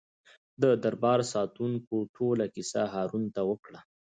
د دربار ساتونکو ټوله کیسه هارون ته وکړه.